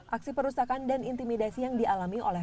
aksi perusakan dan intimidasi yang dialami oleh